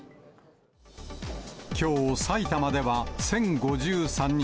きょう、埼玉では１０５３人。